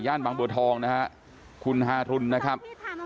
บางบัวทองนะฮะคุณฮารุนนะครับ